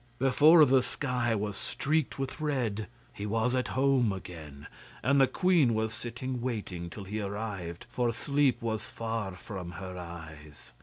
Before the sky was streaked with red he was at home again, and the queen was sitting waiting till he arrived, for sleep was far from her eyes.